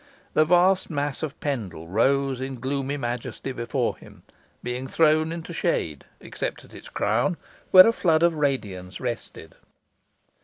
The vast mass of Pendle rose in gloomy majesty before him, being thrown into shade, except at its crown, where a flood of radiance rested.